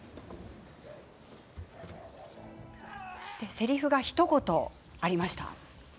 せりふがひと言当たりました。